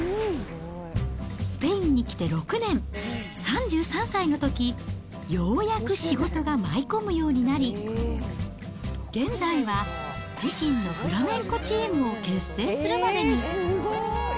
スペインに来て６年、３３歳のとき、ようやく仕事が舞い込むようになり、現在は自身のフラメンコチームを結成するまでに。